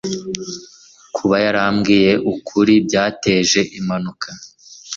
kuba yarambwiye ukuri byateje impanuka